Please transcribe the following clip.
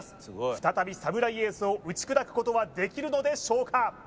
再びサムライエースを打ち砕くことはできるのでしょうか？